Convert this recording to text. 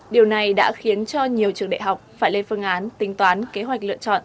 điều này đã khiến cho nhiều trường đại học phải lên phương án tính toán kế hoạch lựa chọn